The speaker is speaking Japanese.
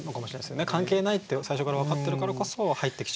関係ないって最初から分かってるからこそ入ってきちゃうっていう。